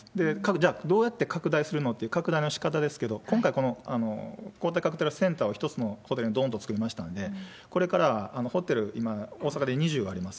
じゃあ、どうやって拡大するのって、拡大のしかたですけれども、今回、この抗体カクテルセンターを１つのホテルにどんと作りましたので、これからホテル、今、大阪で２０あります。